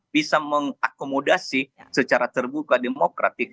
bisa mengakomodasi secara terbuka demokratik